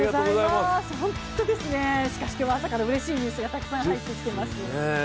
しかし今日は朝からうれしいニュースがたくさん入ってきますね。